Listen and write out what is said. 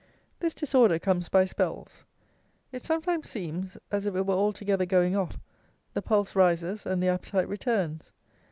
This disorder comes by spells. It sometimes seems as if it were altogether going off; the pulse rises, and the appetite returns.